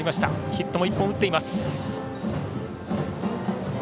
ヒットも１本打っています。